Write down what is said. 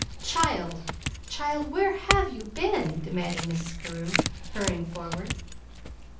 "Child, child, where HAVE you been?" demanded Mrs. Carew, hurrying forward.